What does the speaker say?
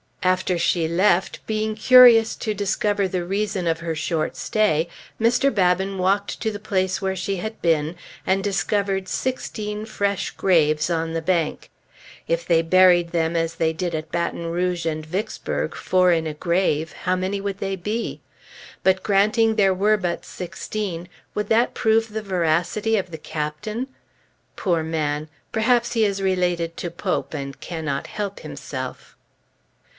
After she left, being curious to discover the reason of her short stay, Mr. Babin walked to the place where she had been, and discovered sixteen fresh graves on the bank. If they buried them as they did at Baton Rouge and Vicksburg, four in a grave, how many would they be? But granting there were but sixteen, would that prove the veracity of the Captain? Poor man! Perhaps he is related to Pope, and cannot help himself.